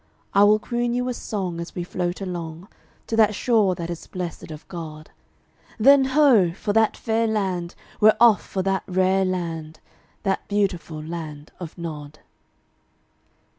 I will croon you a song as we float along To that shore that is blessed of God, Then, ho! for that fair land, we're off for that rare land, That beautiful Land of Nod.